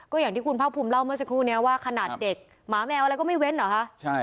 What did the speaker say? อย่างที่คุณภาคภูมิเล่าเมื่อสักครู่นี้ว่าขนาดเด็กหมาแมวอะไรก็ไม่เว้นเหรอคะ